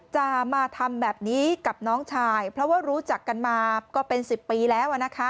จะมาทำแบบนี้กับน้องชายเพราะว่ารู้จักกันมาก็เป็น๑๐ปีแล้ว